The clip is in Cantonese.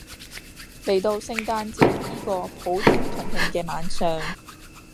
嚟到聖誕節依個普天同慶嘅晚上